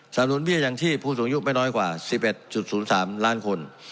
หนุนเบี้ยอย่างที่ผู้สูงอายุไม่น้อยกว่า๑๑๐๓ล้านคน